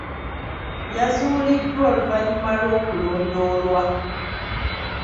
Yazuuliddwa oluvannyuma lw'okulondoolwa.